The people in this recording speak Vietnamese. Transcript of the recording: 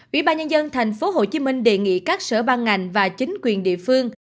ủy ban nhân dân tp hcm đề nghị các sở ban ngành và chính quyền địa phương